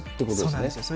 そうなんですよ。